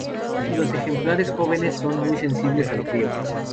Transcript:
Los ejemplares jóvenes son muy sensibles al frío.